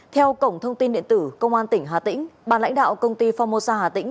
theo cổng thông tin điện tử công an tỉnh hà tĩnh bàn lãnh đạo công ty formosa hà tĩnh